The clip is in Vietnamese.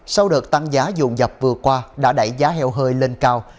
sau đợt tăng giá dồn dập vừa qua đã đẩy giá heo hơi lên cao